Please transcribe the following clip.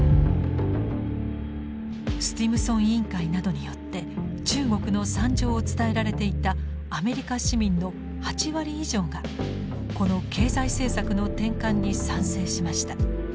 スティムソン委員会などによって中国の惨状を伝えられていたアメリカ市民の８割以上がこの経済政策の転換に賛成しました。